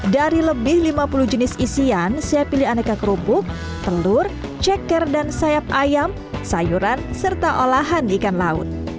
dari lebih lima puluh jenis isian saya pilih aneka kerupuk telur ceker dan sayap ayam sayuran serta olahan ikan laut